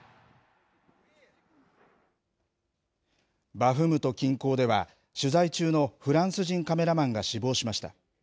バフムト近郊では、取材中のフランス人カメラマンが死亡しました。